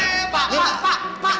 eh pak pak pak